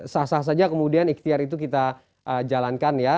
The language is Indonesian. sah sah saja kemudian ikhtiar itu kita jalankan ya